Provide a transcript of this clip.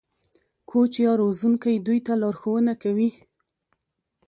کوچ یا روزونکی دوی ته لارښوونه کوي.